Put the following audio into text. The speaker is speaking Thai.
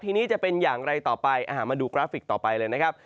ทีนี้จะเป็นอย่างไรต่อไปมาดูกราฟิกต่อไปเลยนะครับ